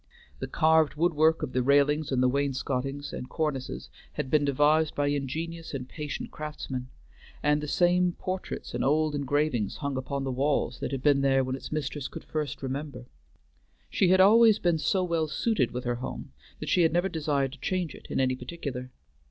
The carved woodwork of the railings and wainscotings and cornices had been devised by ingenious and patient craftsmen, and the same portraits and old engravings hung upon the walls that had been there when its mistress could first remember. She had always been so well suited with her home that she had never desired to change it in any particular.